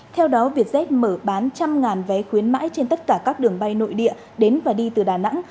theo đó vietjet mở bán trăm vé khuyến mãi trên tất cả các đường bay nội địa đến và đi từ đà nẵng